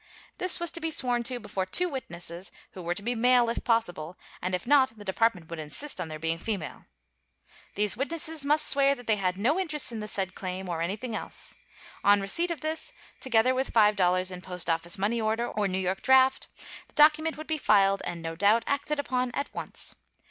This was to be sworn to before two witnesses, who were to be male, if possible, and if not, the department would insist on their being female. These witnesses must swear that they had no interest in the said claim, or anything else. On receipt of this, together with $5 in postoffice money order or New York draft, the document would be filed and, no doubt, acted upon at once.